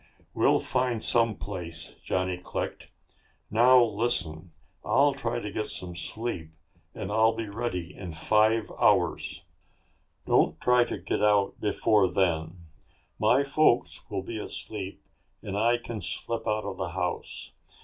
"We'll find some place," Johnny clicked. "Now, listen. I'll try to get some sleep and I'll be ready in five hours. Don't try to get out before then. My folks will be asleep and I can slip out of the house.